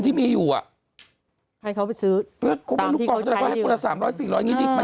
นี่มีอยู่ไหม